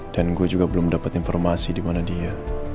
dan gue juga belum dapat informasi di mana dia